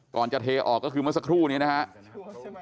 จะเทออกก็คือเมื่อสักครู่นี้นะครับ